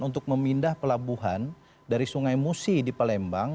untuk memindah pelabuhan dari sungai musi di palembang